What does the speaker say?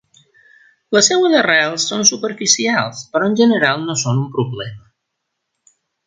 Les seves arrels són superficials però en general no són un problema.